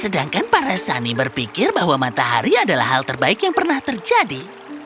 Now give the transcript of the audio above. sedangkan para sani berpikir bahwa matahari adalah hal terbaik yang pernah terjadi